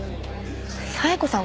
冴子さん